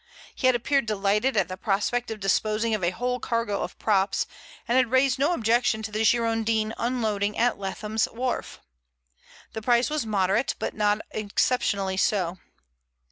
He had appeared delighted at the prospect of disposing of a whole cargo of props, and had raised no objection to the Girondin unloading at Leatham's wharf. The price was moderate, but not exceptionally so.